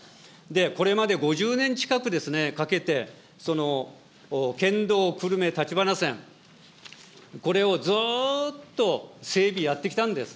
これまで５０年近くかけて、県道久留米立花線、これをずっと整備やってきたんです。